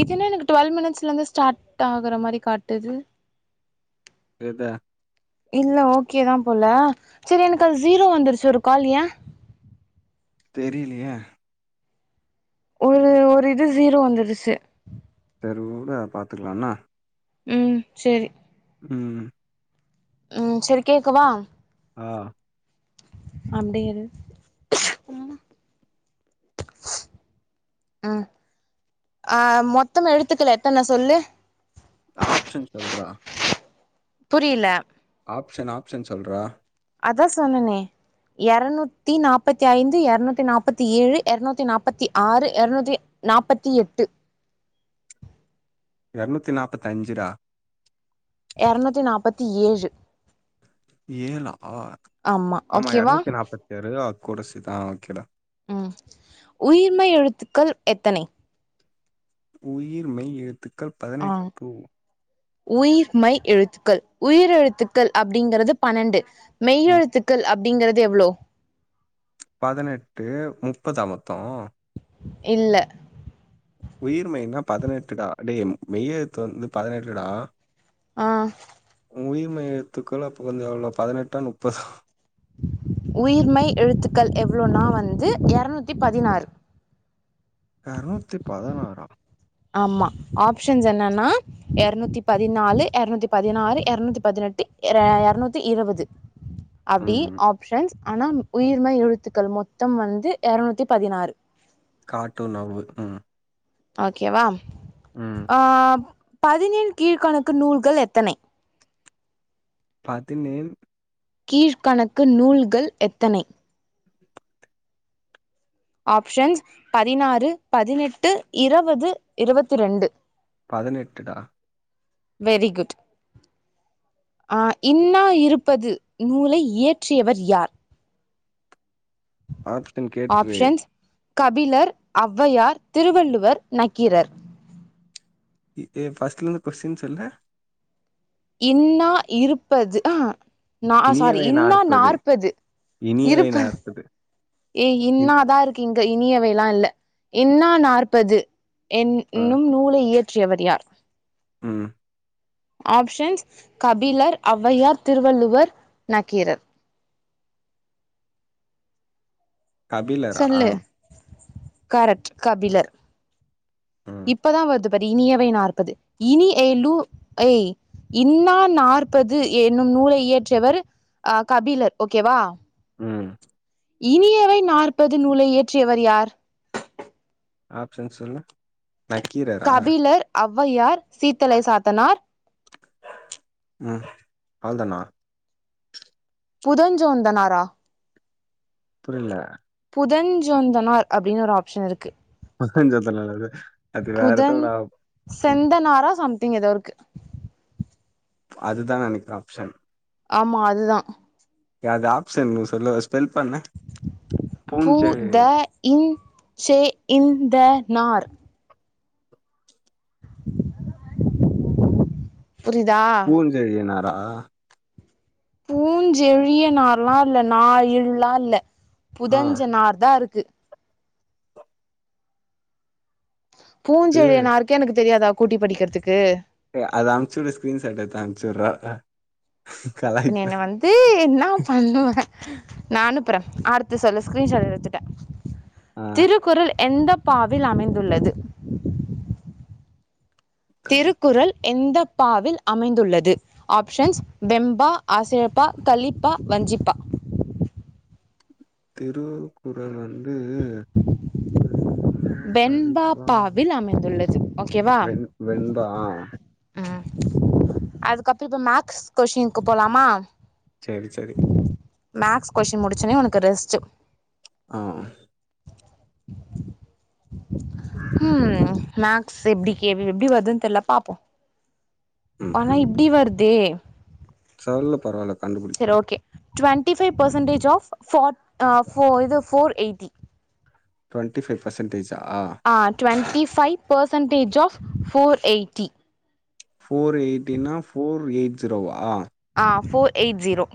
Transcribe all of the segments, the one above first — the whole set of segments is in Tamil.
இதுனா எனக்கு டுவெல் மினிட்ஸ்ல இருந்து ஸ்டார்ட் ஆகுற மாரி காட்டுது எத இல்ல ஓக்கேதா போல செரி எனக்கு அது ஜுரோ வந்துருச்சு ஒரு கால் ஏ தெரியிலேயே ஒரு ஒரு இது ஜீரோ வந்துருச்சு செரி உடு பாத்துக்கலா என்ன ம் செரி ம் ம் செரி கேக்கவா ஆ அப்டியேரு ம் ஆ மொத்தமா எழுத்துக்கள் எத்தன சொல்லு ஆப்ஷன் சொல்றா புரியில ஆப்ஷன் ஆப்ஷன் சொல்றா அதா சொன்னனே எரநூத்தி நாப்பத்தி ஐந்து எரநூத்தி நாப்பத்தி ஏழு எரநூத்தி நாப்பத்தி ஆறு எரநூத்தி நாப்பத்தி எட்டு எரநூத்தி நாப்பத்தஞ்சி டா எரநூத்தி நாப்பத்தி ஏழு ஏலா ஆமா எரநூத்தி நாற்பத்தி ஏழு கூடசேத்தா ஓகேடா ம் உயிர்மை எழுத்துக்கள் எத்தனை உயிர் மெய் எழுத்துக்கள் ஆ பதினெட்டூ உயிர்மை எழுத்துக்கள் உயிரெழுத்துக்கள் அப்டிங்கறது பன்னெண்டு ம் மெய்யெழுத்துக்கள் அப்டிங்கறது எவ்ளோ பதனெட்டு முப்பதா மொத்தொ இல்ல உயிர் மெய்னா பதினெட்டு டா டேய் மெய்யெழுத்து வந்து பதினெட்டுடா ஆ உயிர் மெய்யெழுத்துக்கள் அப்போ கொஞ்சொ எவ்ளோ பதினெட்டா நுப்பதா உயிர்மெய் எழுத்துக்கள் எவ்ளோனா வந்து எரநூத்தி பதினாறு எரநூத்தி பதநாறா ஆமா ஆப்ஷன்ஸ் என்னன்னா எரநூத்தி பதினாலு எரநூத்தி பதினாறு எரநூத்தி பதினெட்டு எர எரநூத்தி இரவது அப்டி ம் ஆப்ஷன்ஸ் ஆனால் உயிர்மெய் எழுத்துக்கள் மொத்தம் வந்து எரநூத்தி பதினாறு காட்டூன் னவ்வு ம் ஓகேவா ம் ஆ பதினேன் கீழ்கணக்கு நூல்கள் எத்தனை பதினேன் கீழ்கணக்கு நூல்கள் எத்தனை ஆப்ஷன்ஸ் பதினாறு பதினெட்டு இரவது இரவத்தி ரெண்டு பதினெட்டுடா வெரி குட் ஆ இன்னா இருப்பது நூலை இயற்றியவர் யார் ஆப்ஷன் கேட்ரு ஆப்ஷன்ஸ் கபிலர் ஒளவையார் திருவள்ளுவர் நக்கீரர் ஏ ஃபர்ஸ்ட்ல இருந்து கொஸ்டின் சொல்லு இன்னா இருப்பது ஆ நா சாரி இன்னா நாற்பது இனியவை இருப்பது நாற்பது ஏ இன் இன்னாதா இருக்கு இங்க இனியவைல்லா இல்ல இன்னா நாற்பது என் ஆ னும் நூலை இயற்றியவர் யார் ம் ஆப்ஷன்ஸ் கபிலர் ஒளவையார் திருவள்ளுவர் நக்கீரர் கபிலரா சொல்லு கரெக்ட் கபிலர் ம் இப்பதா வர்து பட் இனியவை நாற்பது இனி எ லு ஐ இன்னா நாற்பது என்னும் நூலை இயற்றவர் அ கபிலர் ஓகேவா ம் இனியவை நாற்பது நூலை இயற்றியவர் யார் ஆப்ஷன் சொல்லு நக்கீரர் கபிலர் அவ்வையார் சீத்தலை சாத்தனார் ம் அவ்ள் தானா புதைஞ்சோ அந்தனாரா புரிய்ல புதஞ்சோந்தனார் அப்டின் ஒரு ஆப்ஷன் இருக்கு புதஞ்சோந்தனால்லது அது வேற ஒருத்தரோட ஆள் செந்தநாரா சம்திங் ஏதோருக்கு அதுதா நெனக்ர ஆப்ஷன் ஆமா அதுதா ஏ அது ஆப்ஷன் இன்ன சொல்லு ஸ்பெல் பண்ணு பு பூஞ்செ த ன் சே ந் த நார் புரிதா து அய்யனாரா பூஞ்செழிய நார்லா இல்ல நாழ்லா இல்ல ஆ புதஞ்ச நார் தா இருக்கு ஏ பூஞ்செழியனாருக்கு எனக்கு தெரியாதா கூட்டி படிக்கற்துக்கு ஏ அது அம்ச்சுன்னு ஸ்க்ரீன்ஷாட் எடுத்தமிச்சுர்ற அ நீ என்ன வந் தூ இன்னா பண்ணுவ நா அனுப்புற ஆடூத்து சொல்லு ஸ்கிரீன் ஷாட் எடுத்துட்ட ஆ திருக்குறள் எந்த பாவில் அமைந்துள்ளது கலி திருக்குறள் எந்தப் பாவில் அமைந்துள்ளது ஆப்ஷன்ஸ் வெம்பா ஆசிரர்ப்பா கலிப்பா வஞ்சிப்பா திரூக்குறள் வந்து வெ வெண்பா கலிப்பா பாவில் அமைந்துள்ளது ஓகேவா வெண் வெண்பா ஆ ம் அதுக்கப்றோ இப்போ மேக்ஸ் கொஸ்னிக்கு போலாமா சரி சரி மேக்ஸ் கொஸின் முடிச்சோனே ஒனக்கு ரெஸ்ட்டு ஆவ் ம் மேக் சேப்டி கே வி எப்டி வர்துன் தெர்ல பாப்போ ஆனா இப்டி வர்தே சொல்லு பரவால்ல சரி கண்டுபிடிக்கிறே okay twenty five percentage of ஃபோ ஆ இது ஃபோர் எய்ட்டி ட்வண்டிஃபைவ் பெர்சன்டேஜா ஆ twenty five percentage of four eighty four எய்ட்டினா ஃபோர் எய்ட் ஜீரோவா ஆ ஃபோர் எய்ட் ஜீரோ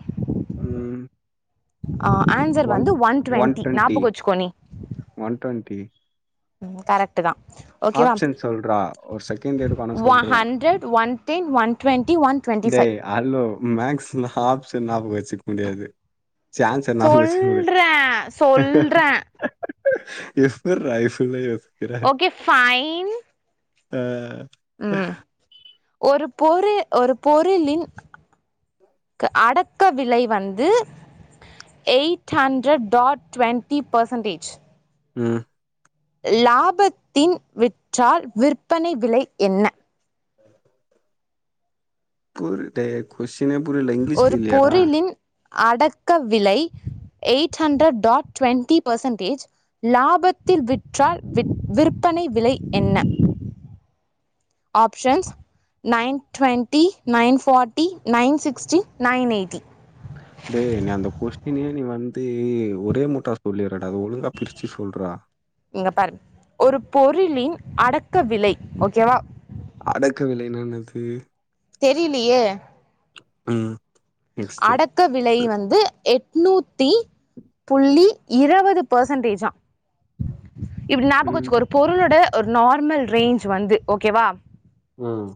ம் ஆ ஆன்சர் வந்து ஒன் ட்வெண்டி நாபகம் வச்சுக்கோ நீ ஒன் டுவெண்ட்டி ம் கரெக்ட் தா ஓகேவா ஆப்ஷன் சொல்றா ஒரு செகண்ட் எடுக்கு ஆனா ஒ சொல்ருவே hundred one ten one twenty one twenty five டேய் அலோ மேக்ஸ்னா ஆப்ஷன் நாபகோ வச்சுக்க முடியாது சான்ஸ் ச நாபகோ வச்சுக்க முடியாது சொல்றேன் சொல்றேன் எஃப்ர்ரா எ சூலயோஸ் ஓ கே ஃபைன் த ம் ஒரு பொரு ஒரு பொருளின் க அடக்க விலை வந்து eight hundred dot twenty percentage ம் லாபத்தின் விற்றால் விற்பனை விலை என்ன ஆ [inaudible] புர் டே கொஸினே புரில இங்கிலிஷ் ஒரு ல இல்லயாடா பொருளின் அடக்க விலை eight hundred dot twenty percentage லாபத்தில் விற்றால் விற் விற்பனை விலை என்ன options nine twenty nine forty nine sixty nine eighty டே நீ அந்த கொஸ்டினே நீ வந்து ஒரே மூட்டா சொல்லிற்றடா அத ஒழுங்கா பிரிச்சு சொல்றா இங்க பாரு ஒரு பொருளின் அடக்க விலை ஓகேவா அடக்க விலைனா என்னது தெரிலையே உம் அடக்க விலை வந்து எட் எட்நூத்தி புள்ளி இருவது பேசன்டேஜா இப்டி நாபகோ ம் வச்சுக்கோ ஒரு பொருளோட ஒரு நார்மல் ரேஞ்ச் வந்து ஓகேவா உம்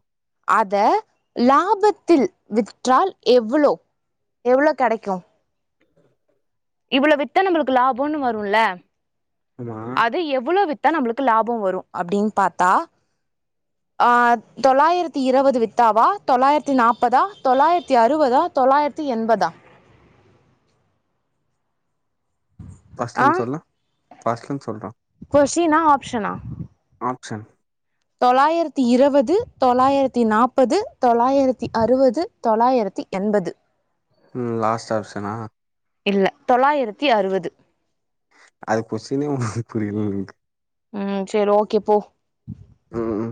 அத லாபத்தில் விற்றால் எவ்ளோ எவ்ளோ கெடக்கு ஆஹ இவ்ளோ வித்தா நம்ளுக்கு லாபோனு வரும்ல ஆமா அது எவ்ளோ வித் தா நம்பளுக்கு லாபோ வரும் அப்டின்னு பாத்தா ஆ தொள்ளாயிரத்தி இருவது வித்தாவா தொள்ளாயிரத்தி நாப்பதா தொள்ளாயிரத்தி அறுவதா தொளாயிரத்தி எண்பதா ஃபஸ்ட்லன்னு சொல்லு ஃபஸ்ட்ல ருந்து சொல்றா கொஷ்டினா ஆப்ஷனா ஆப்ஷன் தொளாயிரத்தி இருவது தொள்ளாயிரத்தி நாப்பது தொளாயிரத்தி அறுவது தொளாயிரத்தி எண்பது உ ம் லாஸ்ட் ஆப்ஷனா இல்ல தொள்ளாயிரத்தி அறுவது அது கொஸினே உ புரியல எனுக் உம் செரி ஓகே போ ம் ம்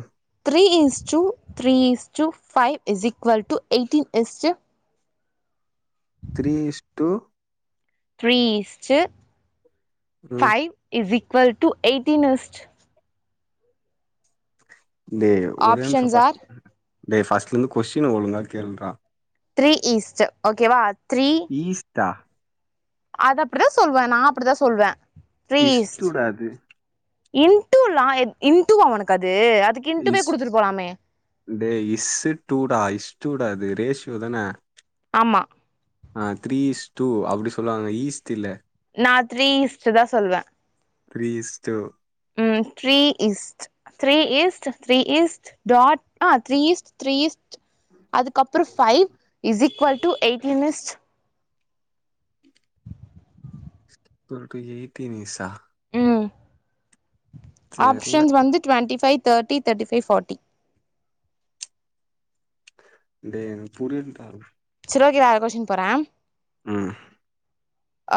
three is to three is to five is equal to eighteen is to three is to three is to ம் five is equal to eighteen is to டே ஒரே நிம்ஷோ ஆப்ஷன்ஸ் ஃபஸ் ஆர் டே ஃபர்ஸ்ட்லந்து கொஸ்டின ஒழுங்கா கேள்றா த்ரீ ஈஸ்ட்டு ஓகேவா த்ரீ ஈஸ்டா அது அப்டிதா சொல்வே நா அப்டிதா சொல்வே த்ரீஸ்ட் இஸ்டுடா அது இன்ட்டூல்லா எத் இன்டுவா ஒனக்கு அது அதுக்கு இன்ட்டுமே குடுத்துட்டு போலாமே டே இஸ்சு டூடா இஸ்டூடா அது ரேஷியோதானே ஆமா ஆ த்ரீ ஸ் டூ அப்டி சொல்லுவாங்க ஈஸ்டில்ல நா த்ரி இஷ்டுதா சொல்வே த்ரீ இஸ்டு ம் three is to three is to three is to dot ஆ த்ரீ ஈஸ்ட் த்ரீ ஈஸ்ட் அதுக்கப்றோ ஃபைவ் இஸ் ஈக்வல் டு எயிட்டினிஸ்ட் ஸ்கோல்ட்டு எயிட்டின் இஸ்சா ம் தெரியல ஆப்ஷன்ஸ் வந்து twenty five thirty thirty five forty டே என்க் புரில்டா செரி ஓகே வேற கொஸ்டின் போறே ம்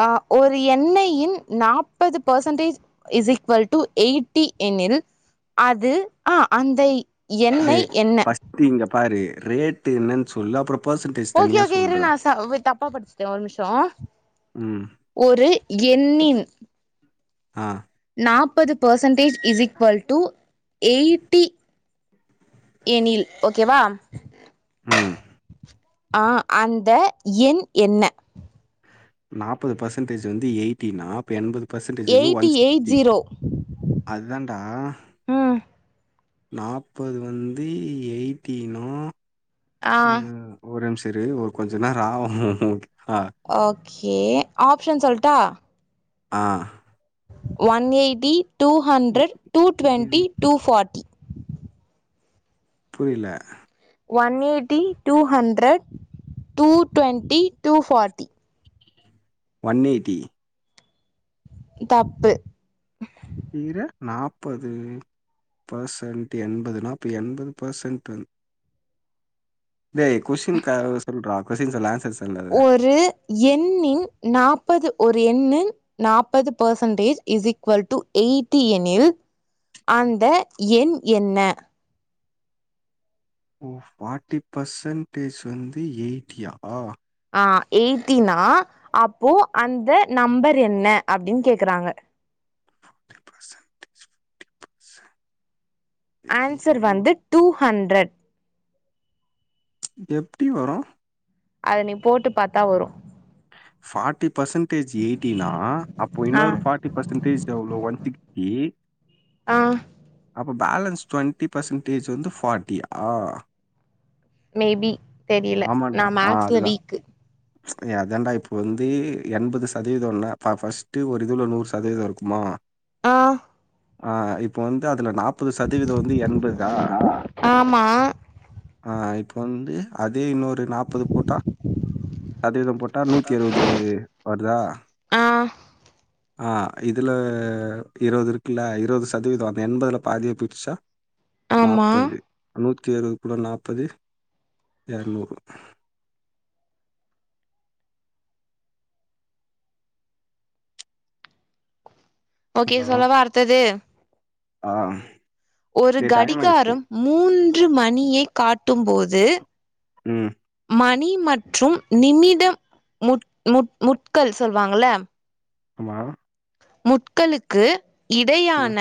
ஆ ஒரு எண்ணையின் நாப்பது percentage is equal to eighty எனில் அது ஆ அந்தய் டே ஃபஸ்ட்டு இங்க பாரு ரேட்டு என்னன் சொல்ல அப்றப் ஓகே ஓகே இரு நாசா வித் தப்பா படிச்ட்டே ஒரு நிமிஷோ ம் ஒரு எண்ணின் ஆ நாப்பது percentage is equal to eighty எனில் ஓகேவா ம் ஆ அந்த எண் என்ன நாப்பது பர்சன்டேஜ் வந்து எயிட் டினா இப்ப எண்பது பர்சன்டேஜ் வந்து eighty one eight sixty zero அதுதான்டா ம் நாப்பது வந்து எயிட்டினா ஆ அது ஒரேம்ச இரு ஒரு கொஞ்சோ நேரோ ஆவு ஓகேவா ஓகே ஆப்ஷன் சொல்ட்டா ஆ ஒன் எயிட்டி டூ இ- ஹண்ட்ரட் டூ இது டுவெண்ட்டி டூ ஃபார்ட்டி புரில one eighty two hundred two twenty two forty one eighty தப்பு ஈர நாப்பது பர்சன்ட் எண்பதுனா அப்ப எண்பது பெர்சன்ட் வந் டேய் கொஸ்டின் க சொல்றா கொஸ்டின் சொல்ல ஆன்சர்ஸ் ஒரு எண்ணின் நாப்பது ஒரு எண்ணின் நாப்பது percentage is equal to eighty எனில் அந்த எண் என்ன ஓ ஃபார்ட்டி பர்சன்டேஜ் வந்து எயிட்டியா ஆ எயிட்டினா அப்போ அந்த நம்பர் என்ன அப்டின்னு கேக்குறாங்க பேர்சன்டு ஃப்டி பேர்சன்டு ஆன்சர் வந்து டூ ஹண்ட்ரட் எப்டி வரு அது நீ போட்டு பாத்தா வரு ஃபார்ட்டி பர்சன்டேஜ்ஜு எயிட்டினா அப்போ ஆ இன்னொரு ஃபாட் ஃப்டி பர்சன்டேஜ் எவ்ளோ ஒன் [inaudible] ஆ அப்ப பேலன்ஸ் டொண்ட்டி பெர்சன்டேஜ் வந்து ஃபார்ட்டியா மே பீ தெரியல நா மேக்ஸ்ல வீக்கு எ அதாண்டா இப்ப வந்து எண்பது சதவீதன்ன ஃப ஃபஸ்ட்டு ஒரு இதுல நூறு சதவீத இருக்குமா ஆ ஆ இப்ப வந்து அதுல நாப்பது சதவீத வந்து எண்பதா ஆமா ஆ இப்ப வந்து அதே இன்னொரு நாப்பது போட்டா சதவீதம் போட்டா நூத்தி இருவது வருதா ஆ ஆ இதுல இருவது இருக்குல்ல இருவது சதவீத அந்த எண்பதுல பாதிய பிரிச்சா ஆமா நாப்பது நூத்தி இருவது கூட நாப்பது எர்னூறு ஓகே ஹலோ! சொல்லவா அடுத்தது ஆ ஒரு டேய் டைம் ஆயிடுச்சு. கடிகாரம் மூன்று மணியைக் காட்டும்போது ம் மணி மற்றும் நிமிடம் முட் முட்கள் சொல்வாங்கள ஆமா முட்களுக்கு ம். இடையான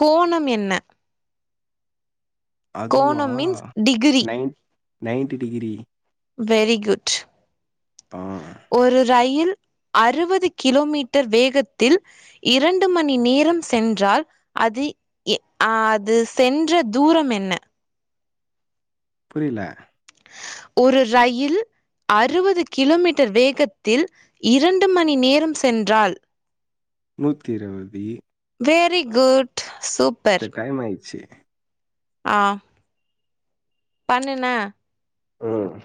கோணம் என்ன அதுவா கோணம் means degree nine ninety degree very good ஆ ஒரு ரயில் அறுவது கிலோமீட்டர் வேகத்தில் இரண்டு மணி நேரம் சென்றால் அது எ அது சென்ற தூரம் என்ன புரியல ஒரு ரயில் அறுவது கிலோமீட்டர் வேகத்தில் இரண்டு மணி நேரம் சென்றால் நூத்தி இருவதி வெரி குட் சூப் து டைம் ஆய்ச்சு ஆ பண்ணுண்ண ம்